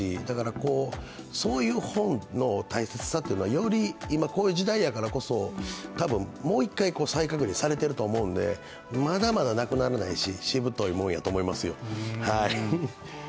だからそういう本の大切さというのはより今こういう時代だからこそ多分もう１回再確認されてると思うんで、まだまだなくならないし、しぶといとも言えますね